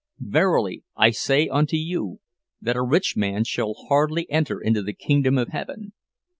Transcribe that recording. '—'Verily, I say unto you, that a rich man shall hardly enter into the kingdom of Heaven!